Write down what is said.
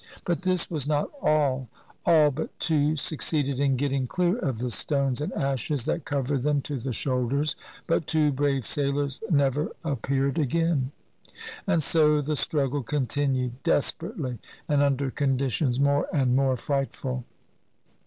But this was not all; all but two succeeded in getting clear of the stones and ashes that covered them to the shoulders, but two brave sailors never appeared again. And so the struggle continued, desperately, and under conditions more and more frightful.